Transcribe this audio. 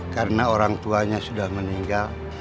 karena orang tuanya sudah meninggal